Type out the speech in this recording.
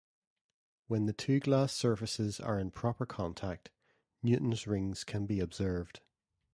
When the two glass surfaces are in proper contact Newton's rings can be observed.